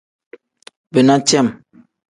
Bina cem.